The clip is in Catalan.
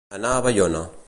Anar a Baiona.